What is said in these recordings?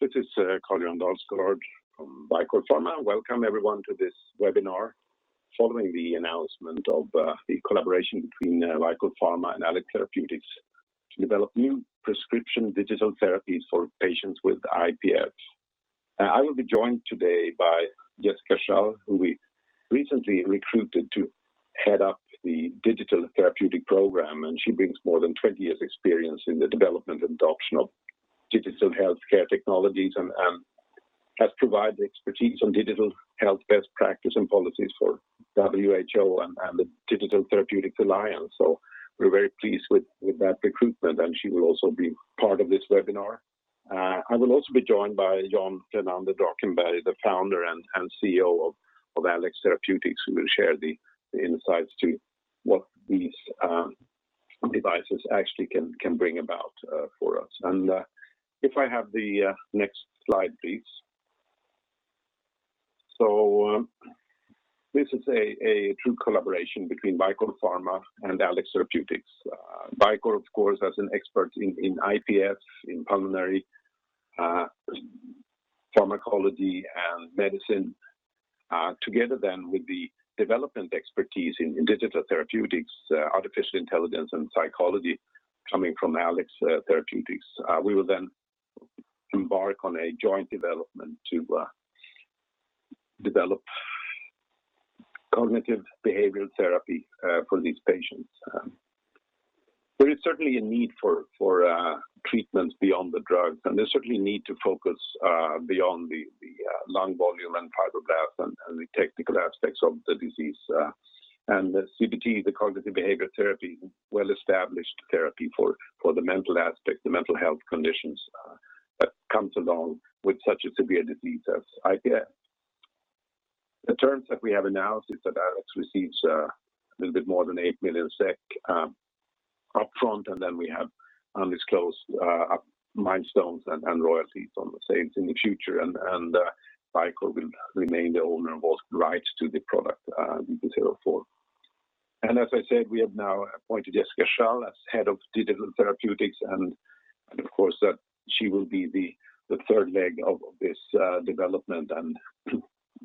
This is Carl-Johan Dalsgaard from Vicore Pharma. Welcome, everyone, to this webinar following the announcement of the collaboration between Vicore Pharma and Alex Therapeutics to develop new prescription digital therapies for patients with IPF. I will be joined today by Jessica Shull, who we recently recruited to head up the digital therapeutic program. She brings more than 20 years experience in the development and adoption of digital healthcare technologies and has provided expertise on digital health best practice and policies for WHO and the Digital Therapeutics Alliance. We're very pleased with that recruitment, and she will also be part of this webinar. I will also be joined by John Drakenberg Renander, the Founder and Chief Executive Officer of Alex Therapeutics, who will share the insights to what these devices actually can bring about for us. If I have the next slide, please. This is a true collaboration between Vicore Pharma and Alex Therapeutics. Vicore, of course, as an expert in IPF, in pulmonary pharmacology and medicine, together then with the development expertise in digital therapeutics, artificial intelligence, and psychology coming from Alex Therapeutics. We will then embark on a joint development to develop cognitive behavioral therapy for these patients. There is certainly a need for treatments beyond the drugs, and there's certainly need to focus beyond the lung volume and fibrosis and the technical aspects of the disease. The CBT, the cognitive behavioral therapy, well-established therapy for the mental aspect, the mental health conditions that comes along with such a severe disease as IPF. The terms that we have announced is that Alex receives a little bit more than 8 million SEK up front, and then we have undisclosed milestones and royalties on the sales in the future. Vicore will remain the owner of all rights to the product, VP04. As I said, we have now appointed Jessica Shull as head of digital therapeutics, and of course, she will be the third leg of this development and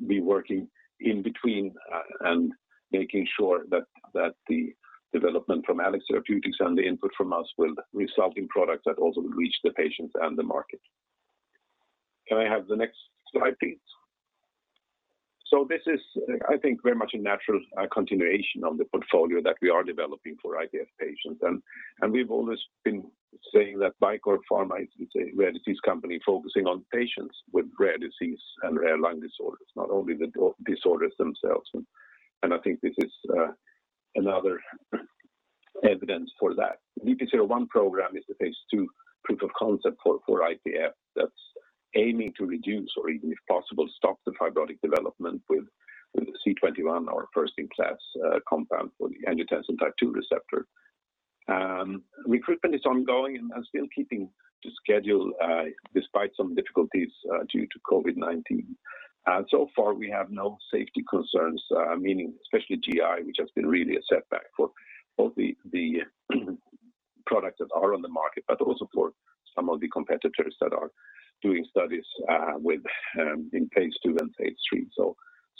be working in between and making sure that the development from Alex Therapeutics and the input from us will result in products that also will reach the patients and the market. Can I have the next slide, please? This is, I think, very much a natural continuation of the portfolio that we are developing for IPF patients. We've always been saying that Vicore Pharma is a rare disease company focusing on patients with rare disease and rare lung disorders, not only the disorders themselves. I think this is another evidence for that. DP-01 program is the phase II proof of concept for IPF that's aiming to reduce or even, if possible, stop the fibrotic development with C21, our first-in-class compound for the angiotensin II type 2 receptor. Recruitment is ongoing and still keeping to schedule despite some difficulties due to COVID-19. Far, we have no safety concerns, meaning especially GI, which has been really a setback for both the products that are on the market, but also for some of the competitors that are doing studies in phase II and phase III.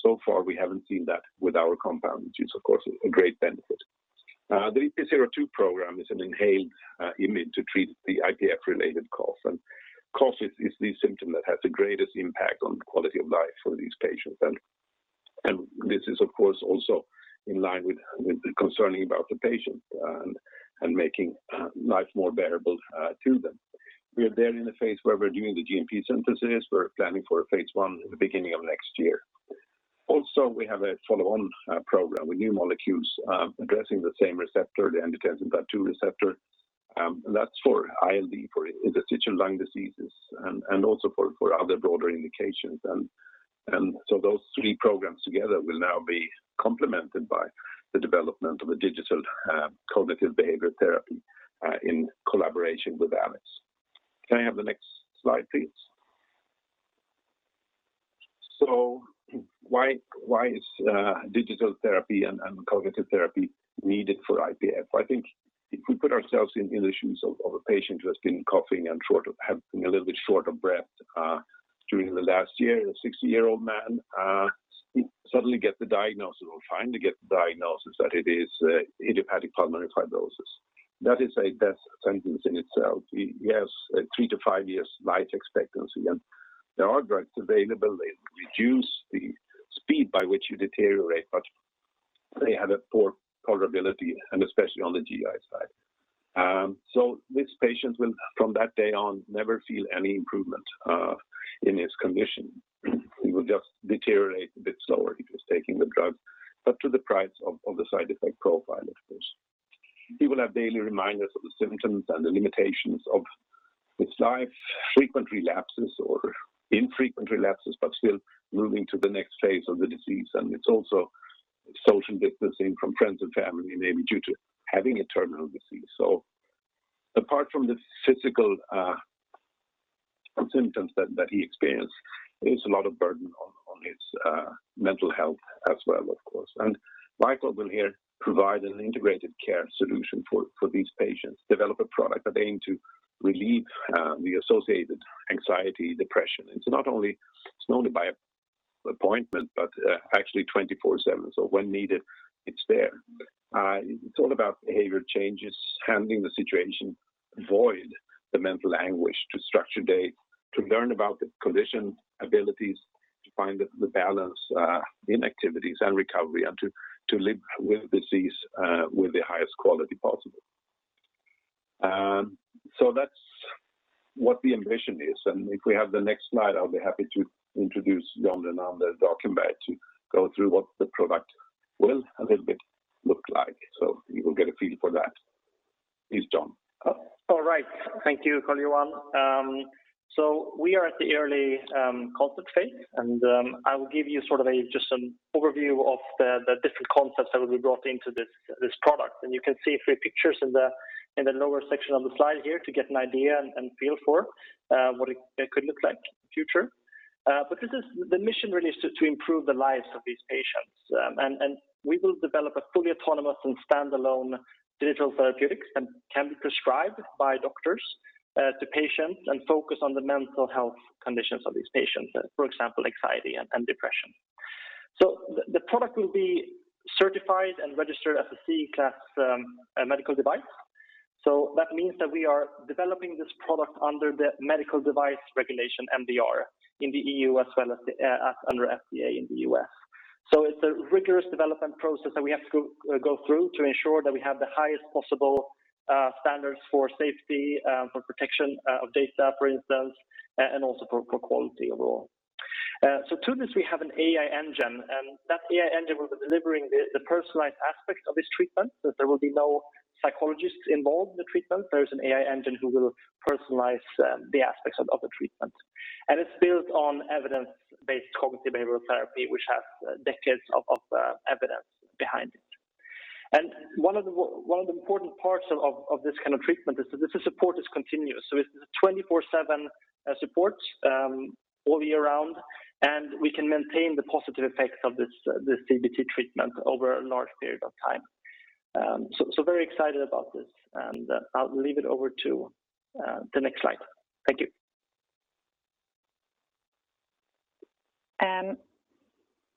So far, we haven't seen that with our compound, which is, of course, a great benefit. The VP02 program is an inhaled IMiD to treat the IPF-related cough. Cough is the symptom that has the greatest impact on quality of life for these patients. This is, of course, also in line with concerning about the patient and making life more bearable to them. We are there in the phase where we're doing the GMP synthesis. We're planning for phase I at the beginning of next year. We have a follow-on program with new molecules addressing the same receptor, the angiotensin II receptor. That's for ILD, for interstitial lung diseases, and also for other broader indications. Those three programs together will now be complemented by the development of a digital cognitive behavioral therapy in collaboration with Alex. Can I have the next slide, please? Why is digital therapy and cognitive therapy needed for IPF? I think if we put ourselves in the shoes of a patient who has been coughing and having a little bit short of breath during the last year, a 60-year-old man, he suddenly gets the diagnosis or trying to get the diagnosis that it is idiopathic pulmonary fibrosis. That is a death sentence in itself. He has a three to five years life expectancy, and there are drugs available. They reduce the speed by which you deteriorate, but they have a poor tolerability, and especially on the GI side. This patient will, from that day on, never feel any improvement in his condition. He will just deteriorate a bit slower if he's taking the drug, but to the price of the side effect profile, of course. He will have daily reminders of the symptoms and the limitations of his life, frequent relapses or infrequent relapses, but still moving to the next phase of the disease. It's also social distancing from friends and family, maybe due to having a terminal disease. Apart from the physical symptoms that he experiences, it's a lot of burden on his mental health as well, of course. Vicore will here provide an integrated care solution for these patients, develop a product that they aim to relieve the associated anxiety, depression. It's not only by appointment, but actually 24/7. When needed, it's there. It's all about behavior changes, handling the situation, avoid the mental anguish, to structure day, to learn about the condition, abilities, to find the balance in activities and recovery, and to live with disease with the highest quality possible. That's what the ambition is. If we have the next slide, I'll be happy to introduce John Drakenberg Renander, to go through what the product will a little bit look like. You will get a feel for that. Please, John. All right. Thank you, Carl-Johan. We are at the early concept phase, I will give you just an overview of the different concepts that will be brought into this product. You can see three pictures in the lower section on the slide here to get an idea and feel for what it could look like in the future. The mission really is to improve the lives of these patients. We will develop a fully autonomous and standalone digital therapeutics that can be prescribed by doctors to patients and focus on the mental health conditions of these patients, for example, anxiety and depression. The product will be certified and registered as a Class IIa medical device. That means that we are developing this product under the Medical Device Regulation, MDR, in the EU, as well as under FDA in the U.S. It's a rigorous development process that we have to go through to ensure that we have the highest possible standards for safety, for protection of data, for instance, and also for quality overall. To this, we have an AI engine, and that AI engine will be delivering the personalized aspect of this treatment. There will be no psychologist involved in the treatment. There is an AI engine who will personalize the aspects of the treatment. It's built on evidence-based cognitive behavioral therapy, which has decades of evidence behind it. One of the important parts of this kind of treatment is that the support is continuous. It's 24/7 support all year round, and we can maintain the positive effects of this CBT treatment over a large period of time. Very excited about this, and I'll leave it over to the next slide. Thank you.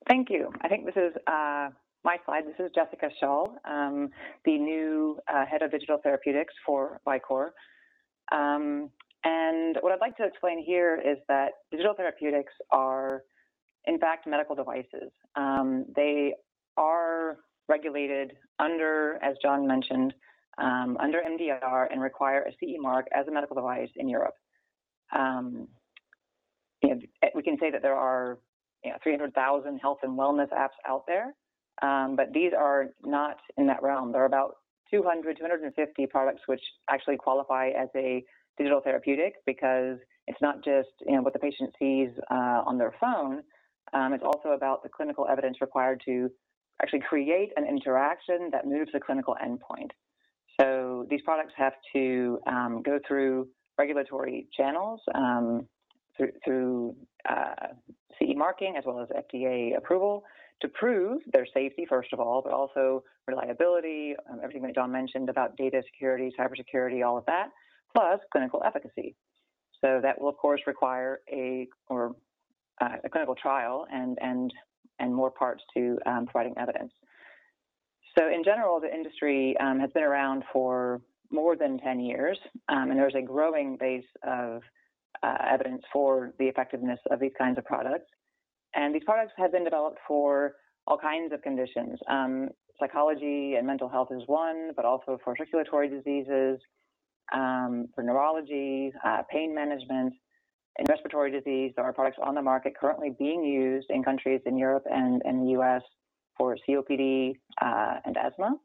Thank you. I think this is my slide. This is Jessica Shull, the new Head of Digital Therapeutics for Vicore. What I'd like to explain here is that digital therapeutics are, in fact, medical devices. They are regulated, as John mentioned, under MDR and require a CE mark as a medical device in Europe. We can say that there are 300,000 health and wellness apps out there, but these are not in that realm. There are about 200, 250 products which actually qualify as a digital therapeutic because it's not just what the patient sees on their phone. It's also about the clinical evidence required to actually create an interaction that moves the clinical endpoint. These products have to go through regulatory channels, through CE mark, as well as FDA approval to prove their safety, first of all, but also reliability, everything that John mentioned about data security, cybersecurity, all of that, plus clinical efficacy. That will, of course, require a clinical trial and more parts to providing evidence. In general, the industry has been around for more than 10 years, and there's a growing base of evidence for the effectiveness of these kinds of products. These products have been developed for all kinds of conditions. Psychology and mental health is one, but also for circulatory diseases, for neurology, pain management, and respiratory disease. There are products on the market currently being used in countries in Europe and the U.S. for COPD and asthma.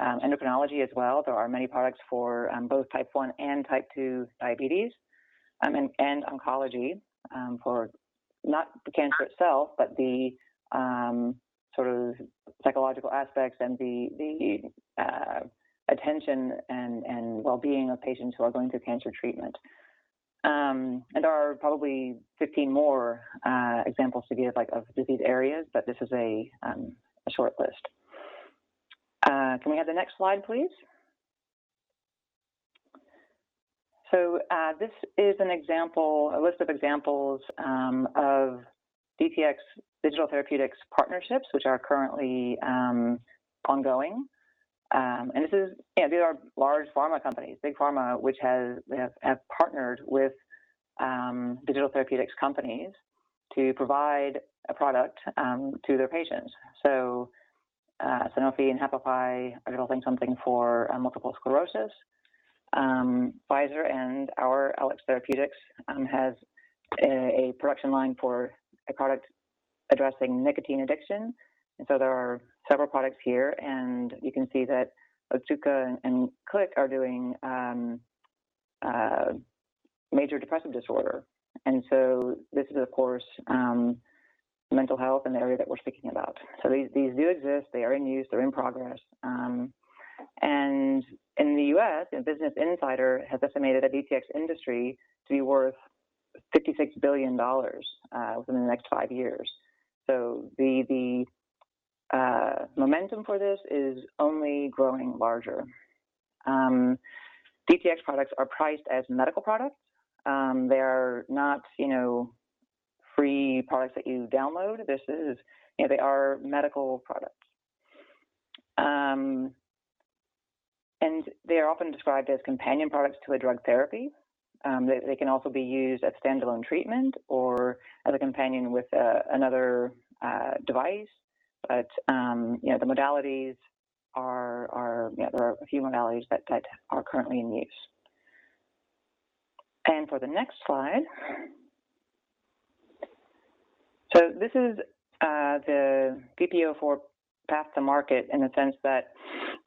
Endocrinology as well. There are many products for both type 1 and type 2 diabetes and oncology for not the cancer itself, but the sort of psychological aspects and the attention and well-being of patients who are going through cancer treatment. There are probably 15 more examples to give of disease areas, but this is a short list. Can we have the next slide, please? This is a list of examples of DTx, digital therapeutics partnerships, which are currently ongoing. These are large pharma companies, big pharma, which have partnered with digital therapeutics companies to provide a product to their patients. Sanofi and Happify Health are developing something for multiple sclerosis. Pfizer and our Alex Therapeutics has a production line for a product addressing nicotine addiction, there are several products here, you can see that Otsuka and Click Therapeutics are doing major depressive disorder. This is, of course, mental health in the area that we're speaking about. These do exist. They are in use. They're in progress. In the U.S., Insider Intelligence has estimated the DTx industry to be worth $56 billion within the next five years. The momentum for this is only growing larger. DTx products are priced as medical products. They're not free products that you download. They are medical products. They are often described as companion products to a drug therapy. They can also be used as standalone treatment or as a companion with another device. There are a few modalities that are currently in use. For the next slide. This is the DP-04 path to market in the sense that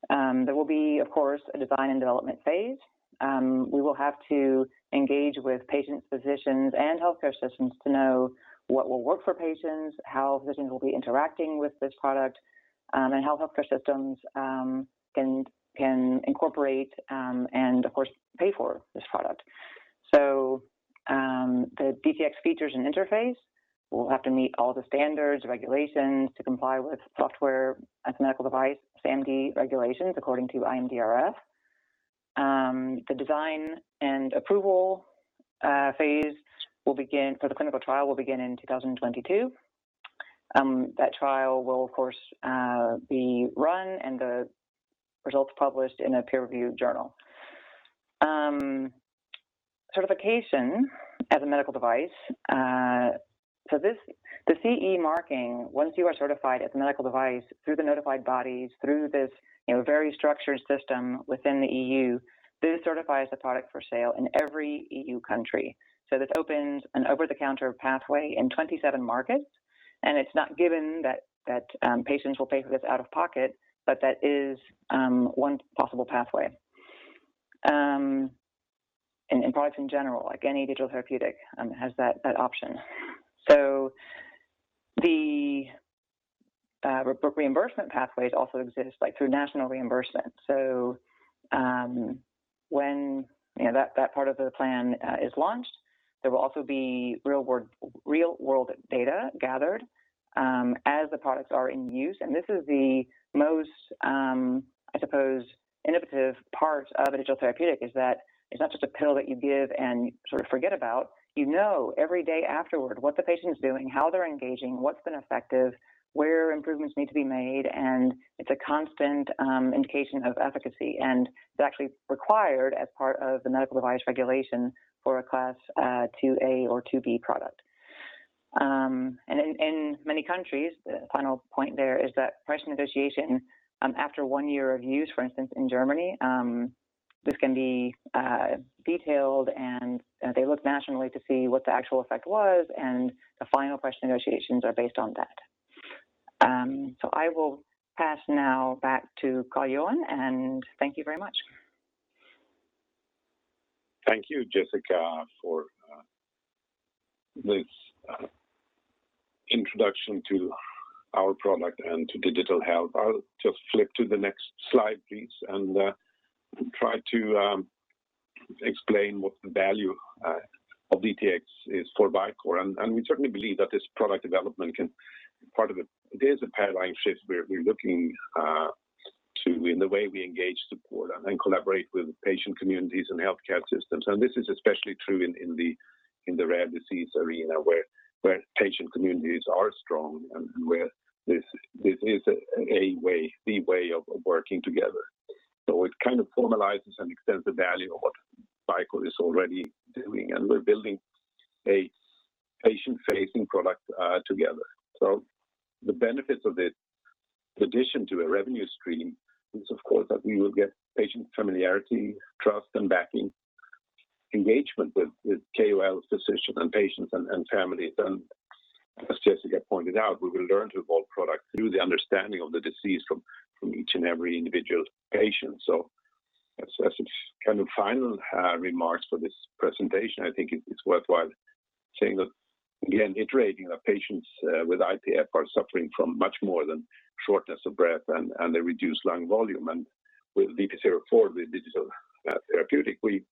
there will be, of course, a design and development phase. We will have to engage with patients, physicians, and healthcare systems to know what will work for patients, how physicians will be interacting with this product, and how healthcare systems can incorporate, and of course, pay for this product. The DTx features and interface will have to meet all the standards, regulations to comply with software as a medical device, SaMD regulations, according to IMDRF. The design and approval phase for the clinical trial will begin in 2022. That trial will, of course, be run and the results published in a peer-reviewed journal. Certification as a medical device. The CE marking, once you are certified as a medical device through the notified bodies, through this very structured system within the EU, this certifies the product for sale in every EU country. This opens an over-the-counter pathway in 27 markets. It's not given that patients will pay for this out of pocket, that is one possible pathway. Products in general, like any digital therapeutic, has that option. The reimbursement pathways also exist through national reimbursement. When that part of the plan is launched, there will also be real-world data gathered as the products are in use. This is the most, I suppose, innovative part of a digital therapeutic, is that it's not just a pill that you give and sort of forget about. You know every day afterward what the patient is doing, how they're engaging, what's been effective, where improvements need to be made. It's a constant indication of efficacy, it's actually required as part of the Medical Device Regulation for a Class IIa or IIb product. In many countries, the final point there is that price negotiation after one year of use, for instance, in Germany, this can be detailed, and they look nationally to see what the actual effect was, and the final price negotiations are based on that. I will pass now back to Carl-Johan, and thank you very much. Thank you, Jessica, for this introduction to our product and to digital health. I'll just flip to the next slide, please, and try to explain what the value of DTx is for Vicore. We certainly believe that part of it, there's a paradigm shift we're looking to in the way we engage, support, and collaborate with patient communities and healthcare systems. This is especially true in the rare disease arena, where patient communities are strong and where this is the way of working together. It kind of formalizes and extends the value of what Vicore is already doing, and we're building a patient-facing product together. The benefits of this addition to a revenue stream is, of course, that we will get patient familiarity, trust, and backing engagement with KOLs, physicians, and patients and families. As Jessica Shull pointed out, we will learn to evolve products through the understanding of the disease from each and every individual patient. As kind of final remarks for this presentation, I think it's worthwhile saying that, again, iterating that patients with IPF are suffering from much more than shortness of breath and a reduced lung volume. With VP04, the digital therapeutic, we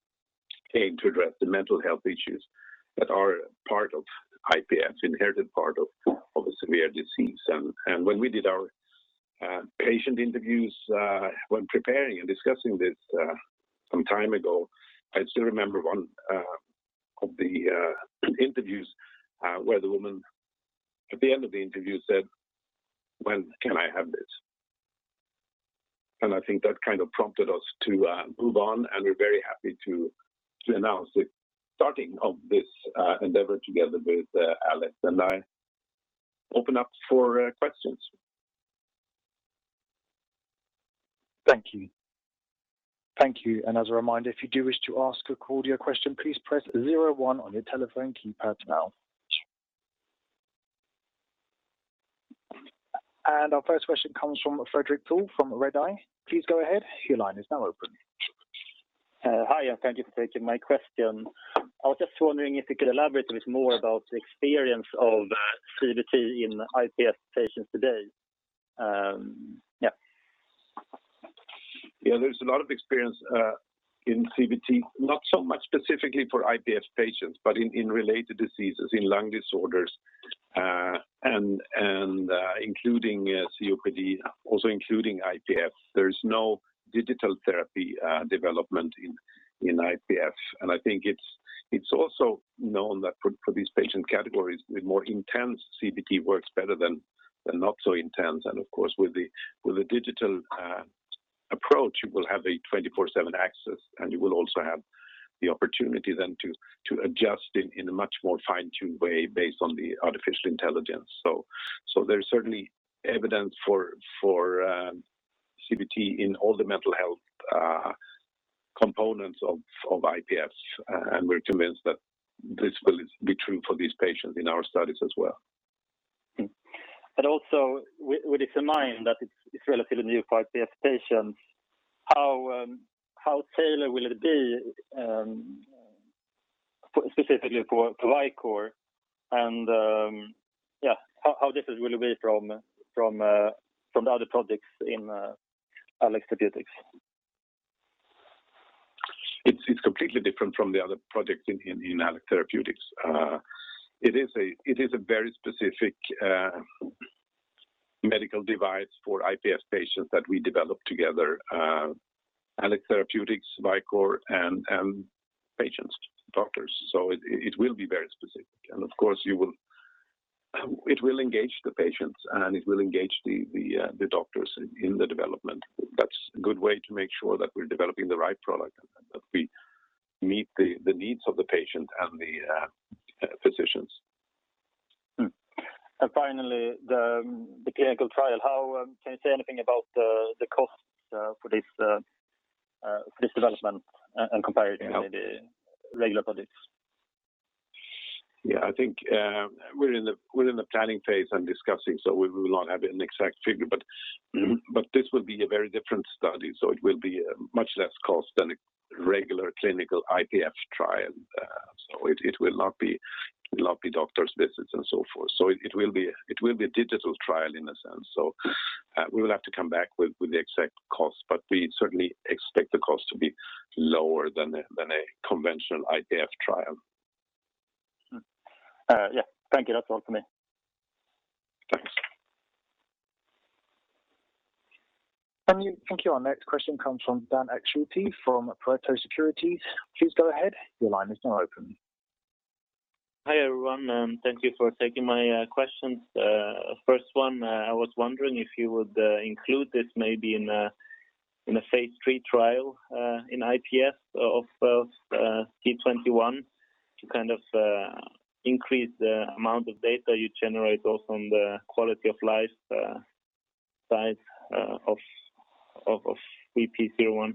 came to address the mental health issues that are part of IPF, inherited part of a severe disease. When we did our patient interviews when preparing and discussing this some time ago, I still remember one of the interviews where the woman at the end of the interview said, "When can I have this?" I think that kind of prompted us to move on, and we're very happy to announce the starting of this endeavor together with Alex. I open up for questions. Thank you. Thank you. As a reminder, if you do wish to ask or call your question, please press zero one on your telephone keypad now. Our first question comes from Fredrik Thor from Redeye. Please go ahead. Your line is now open. Hi, thank you for taking my question. I was just wondering if you could elaborate a bit more about the experience of CBT in IPF patients today. Yeah. Yeah, there's a lot of experience in CBT, not so much specifically for IPF patients, but in related diseases, in lung disorders, and including COPD, also including IPF. There is no digital therapy development in IPF. I think it's also known that for these patient categories, the more intense CBT works better than not so intense. Of course, with the digital approach, you will have a 24/7 access, and you will also have the opportunity then to adjust in a much more fine-tuned way based on the artificial intelligence. There's certainly evidence for CBT in all the mental health components of IPF, and we're convinced that this will be true for these patients in our studies as well. Also, with this in mind that it's relatively new for IPF patients, how tailored will it be specifically for Vicore and how different will it be from the other projects in Alex Therapeutics? It's completely different from the other projects in Alex Therapeutics. It is a very specific medical device for IPF patients that we developed together, Alex Therapeutics, Vicore, and patients, doctors. It will be very specific. Of course, it will engage the patients, and it will engage the doctors in the development. That's a good way to make sure that we're developing the right product and that we meet the needs of the patient and the physicians. Finally, the clinical trial. Can you say anything about the costs for this development and compare it with the regular products? Yeah, I think we're in the planning phase and discussing, we will not have an exact figure. This will be a very different study, so it will be much less cost than a regular clinical IPF trial. It will not be doctors' visits and so forth. It will be a digital trial in a sense. We will have to come back with the exact cost, but we certainly expect the cost to be lower than a conventional IPF trial. Yeah. Thank you. That's all for me. Thanks. Thank you. Our next question comes from Dan Ekströmt from Pareto Securities. Please go ahead. Hi, everyone. Thank you for taking my questions. First one, I was wondering if you would include this maybe in a phase III trial in IPF of C21 to increase the amount of data you generate also on the quality of life side of VP01?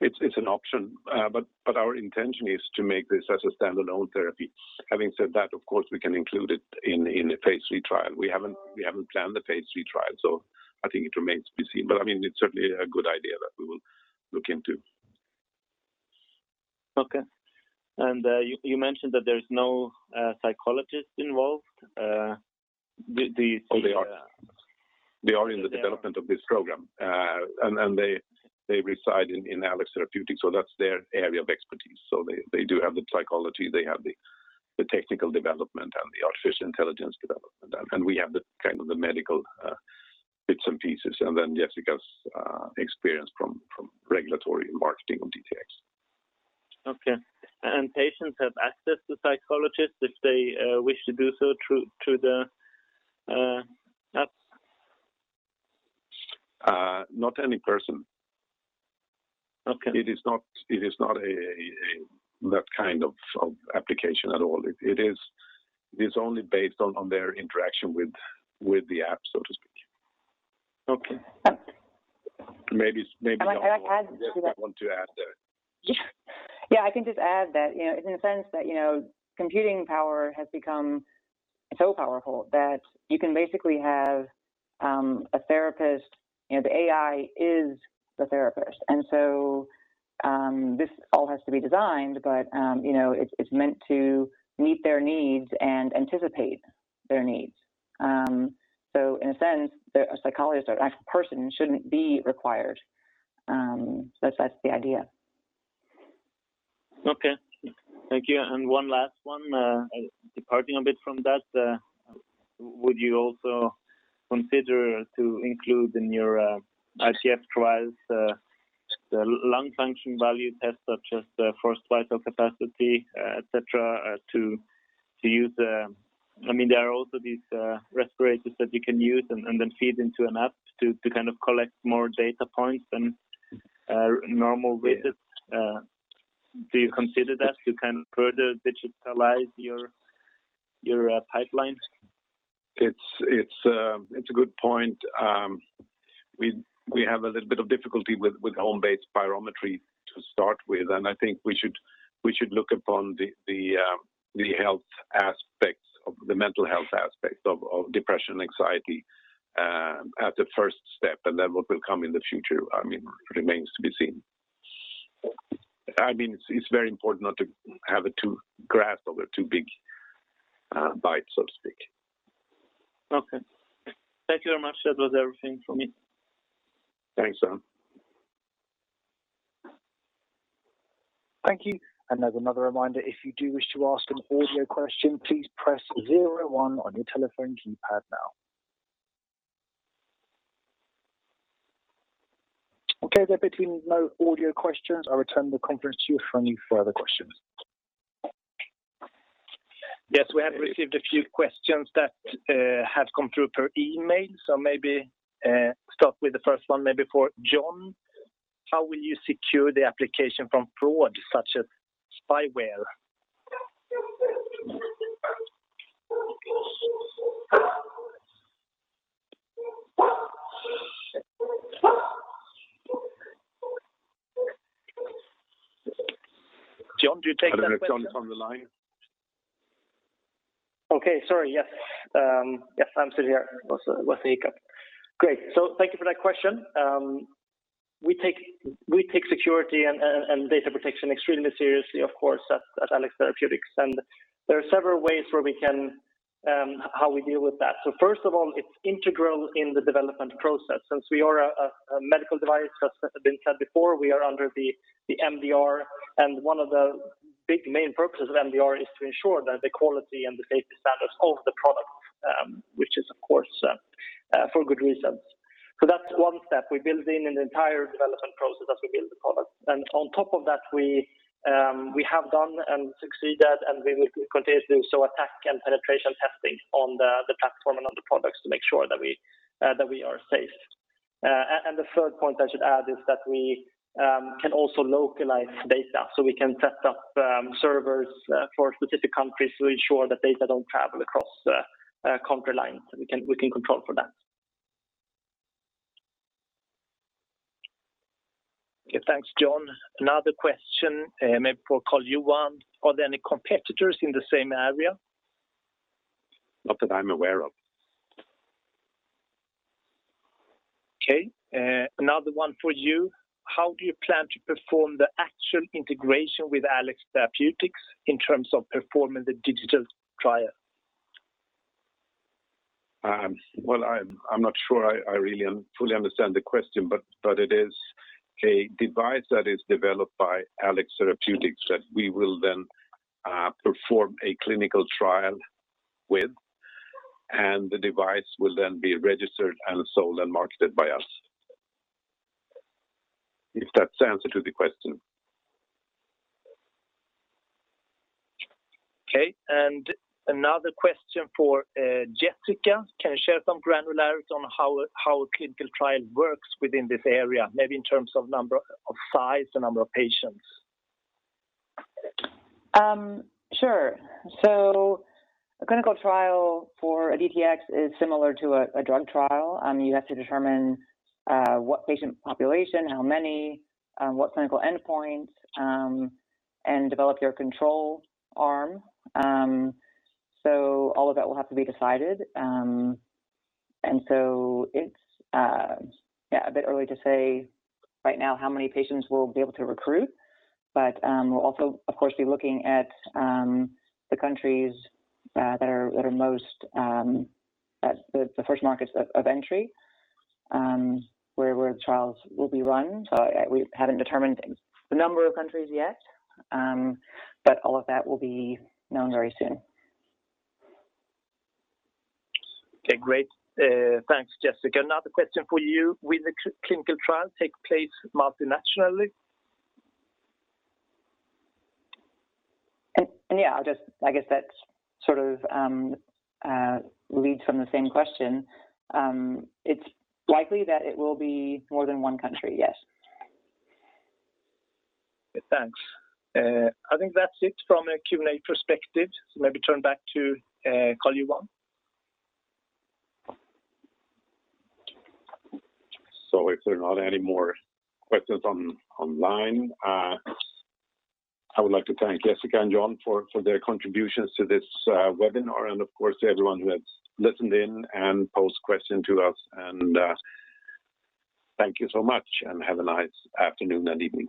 It's an option. Our intention is to make this as a standalone therapy. Having said that, of course, we can include it in a phase III trial. We haven't planned the phase III trial. I think it remains to be seen. It's certainly a good idea that we will look into. Okay. You mentioned that there's no psychologist involved. Oh, they are. They are in the development of this program. They reside in Alex Therapeutics, so that's their area of expertise. They do have the psychology, they have the technical development, and the artificial intelligence development. We have the medical bits and pieces. Then Jessica Shull's experience from regulatory and marketing of DTx. Okay. Patients have access to psychologists if they wish to do so through the app? Not any person. Okay. It is not that kind of application at all. It is only based on their interaction with the app, so to speak. Okay. Maybe- Can I add to that? Jessica wants to add there. Yeah. I can just add that, in a sense that computing power has become so powerful that you can basically have a therapist. The AI is the therapist. This all has to be designed, but it's meant to meet their needs and anticipate their needs. In a sense, a psychologist or actual person shouldn't be required. That's the idea. Okay. Thank you. One last one, departing a bit from that. Would you also consider to include in your IPF trials the lung function value test such as forced vital capacity, et cetera? There are also these respirators that you can use and then feed into an app to collect more data points than normal visits. Do you consider that to further digitalize your pipelines? It's a good point. We have a little bit of difficulty with home-based spirometry to start with, and I think we should look upon the mental health aspects of depression, anxiety as the first step, and then what will come in the future remains to be seen. It's very important not to have it too [grap] or too big bite, so to speak. Okay. Thank you very much. That was everything from me. Thanks. Thank you. As another reminder, if you do wish to ask an audio question, please press zero one on your telephone keypad now. Okay, there being no audio questions, I return the conference to you for any further questions. Yes, we have received a few questions that have come through per email, so maybe start with the first one, maybe for John. How will you secure the application from fraud such as spyware? John, do you take that question? I don't know if John's on the line. Okay, sorry. Yes. I'm still here. Was a hiccup. Great. Thank you for that question. We take security and data protection extremely seriously, of course, at Alex Therapeutics, and there are several ways how we deal with that. First of all, it's integral in the development process. Since we are a medical device, as has been said before, we are under the MDR, and one of the big main purposes of MDR is to ensure that the quality and the safety standards of the product, which is of course, for good reasons. That's one step. We build in an entire development process as we build the product. On top of that, we have done and succeeded and we will continue to do so, attack and penetration testing on the platform and on the products to make sure that we are safe. The third point I should add is that we can also localize data, so we can set up servers for specific countries to ensure that data don't travel across country lines. We can control for that. Okay, thanks, John. Another question, maybe for Carl-Johan. Are there any competitors in the same area? Not that I'm aware of. Okay. Another one for you. How do you plan to perform the actual integration with Alex Therapeutics in terms of performing the digital trial? Well, I'm not sure I really fully understand the question, but it is a device that is developed by Alex Therapeutics that we will then perform a clinical trial with, and the device will then be registered and sold and marketed by us. If that's the answer to the question. Okay, another question for Jessica. Can you share some granularity on how a clinical trial works within this area, maybe in terms of size and number of patients? Sure. A clinical trial for a DTx is similar to a drug trial. You have to determine what patient population, how many, what clinical endpoints, and develop your control arm. All of that will have to be decided. It's a bit early to say right now how many patients we'll be able to recruit. We'll also, of course, be looking at the countries that are the first markets of entry, where the trials will be run. We haven't determined the number of countries yet, but all of that will be known very soon. Okay, great. Thanks, Jessica. Another question for you. Will the clinical trial take place multi-nationally? Yeah. I guess that sort of leads from the same question. It's likely that it will be more than one country, yes. Thanks. I think that's it from a Q&A perspective. Maybe turn back to Carl-Johan. If there are not any more questions online, I would like to thank Jessica and John for their contributions to this webinar and, of course, everyone who has listened in and posed questions to us. Thank you so much, and have a nice afternoon and evening.